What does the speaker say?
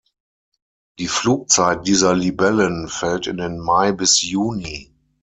Die Flugzeit dieser Libellen fällt in den Mai bis Juni.